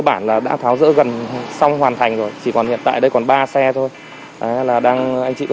bản là đã tháo rỡ gần xong hoàn thành rồi chỉ còn hiện tại đây còn ba xe thôi là đang anh chị có